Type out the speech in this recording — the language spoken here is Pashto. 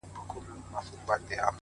• په هغه ګړې پر څټ د غوايی سپور سو ,